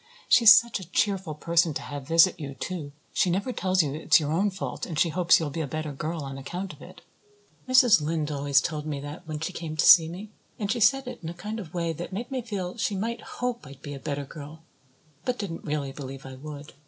She is such a cheerful person to have visit you, too. She never tells you it's your own fault and she hopes you'll be a better girl on account of it. Mrs. Lynde always told me that when she came to see me; and she said it in a kind of way that made me feel she might hope I'd be a better girl but didn't really believe I would.